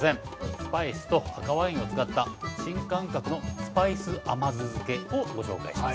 スパイスと赤ワインを使った新感覚のスパイス甘酢漬けをご紹介します。